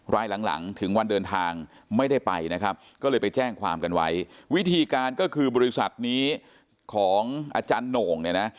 หลังหลังถึงวันเดินทางไม่ได้ไปนะครับก็เลยไปแจ้งความกันไว้วิธีการก็คือบริษัทนี้ของอาจารย์โหน่งเนี่ยนะ